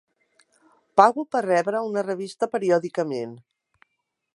Pago per rebre una revista periòdicament.